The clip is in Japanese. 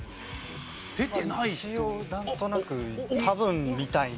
まあ一応なんとなく多分みたいな。